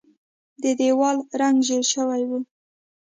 د دیوال رنګ ژیړ شوی و.